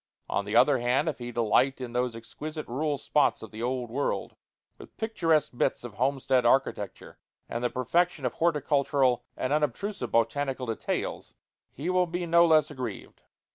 On the other hand, if he delight in those exquisite rural spots of the Old World with picturesque bits of homestead architecture and the perfection of horticultural and unobtrusive botanical details, he will be no less aggrieved.